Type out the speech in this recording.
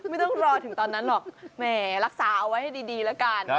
ไม่ต้องรอถึงตอนนั้นหรอกแหมรักษาเอาไว้ให้ดีแล้วกัน